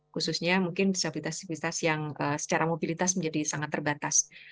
khususnya mungkin disabilitas yang secara mobilitas menjadi sangat terbatas